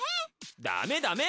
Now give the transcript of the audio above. ダメダメ！